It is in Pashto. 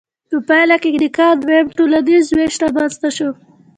په پایله کې د کار دویم ټولنیز ویش رامنځته شو.